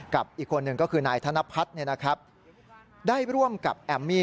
อีกคนหนึ่งก็คือนายธนพัฒน์ได้ร่วมกับแอมมี่